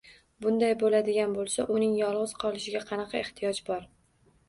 Bunday boʻladigan boʻlsa, uning yolgʻiz qolishiga qanaqa ehtiyoj bor